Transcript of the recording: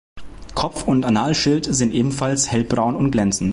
Kopf- und Analschild sind ebenfalls hellbraun und glänzend.